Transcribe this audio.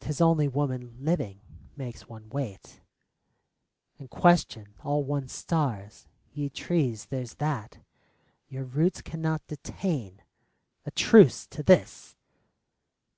'T is only woman living makes one wait And question all one's stars. Ye trees, there 's that 26 THE LOVER WAITS Your roots cannot detain. A truce to this!